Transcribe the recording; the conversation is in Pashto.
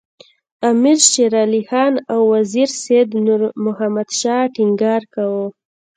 امیر شېر علي خان او وزیر سید نور محمد شاه ټینګار کاوه.